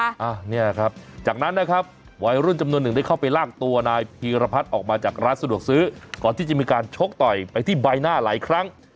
อันนี้แหละครับจากนั้นนะครับวัยรุ่นจำนวนหนึ่งได้เข้าไปลากตัวนายพีรพัฒน์ออกมาจากร้านสะดวกซื้อก่อนที่จะมีการชกต่อยไปที่ใบหน้าหลายครั้ง